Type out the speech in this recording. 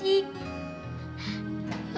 ya allah terima kasih